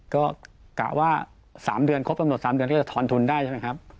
ก็กะว่า๓เดือนครบกำหนด๓เดือนก็จะทอนทุนได้ใช่ไหมครับ